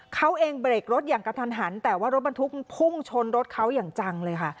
เขาเองเบรกรถอย่างกระทันหันแต่ว่ารถบรรทุกพุ่งชนรถเขาอย่างจังเลยค่ะ